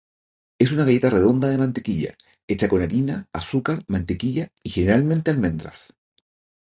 Es una galleta redonda de mantequilla, hecha con harina, azúcar, mantequilla y generalmente almendras.